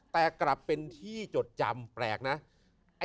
แต่กลับเป็นที่จดจำแปลกนะ